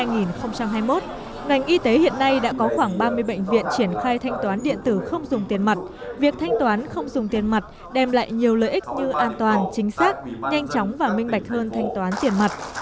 ngoành y tế hiện nay đã có khoảng ba mươi bệnh viện triển khai thanh toán điện tử không dùng tiền mặt việc thanh toán không dùng tiền mặt đem lại nhiều lợi ích như an toàn chính xác nhanh chóng và minh bạch hơn thanh toán tiền mặt